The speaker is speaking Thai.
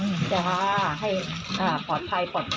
นะแข็งแรงแข็งแรงคุณพ่าพุทธองค์